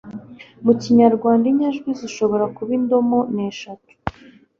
Mu Kinyarwanda, inyajwi zishobora kuba indomo ni eshatu